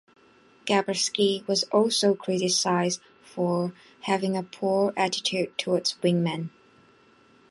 Gabreski was also criticized for having a poor attitude towards wingmen.